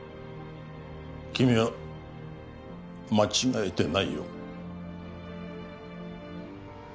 君は間違えてないよ